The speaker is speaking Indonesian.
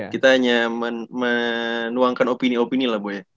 kita hanya menuangkan opini opini lah bu ya